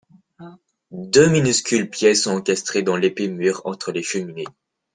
Deux minuscules pièces sont encastrées dans l’épais mur entre les cheminées.